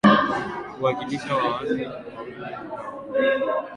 huwakilisha mawazo mawili au zaidi.